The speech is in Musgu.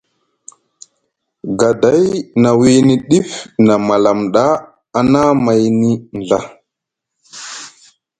Gaday na wiini ɗif na malam ɗa a na mayni nɵa.